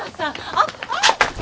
あっああっ！